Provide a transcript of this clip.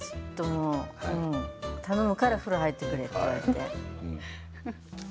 頼むからお風呂に入ってくれって言われて。